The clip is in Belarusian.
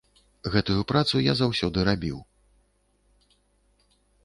Гэтую працу я заўсёды рабіў.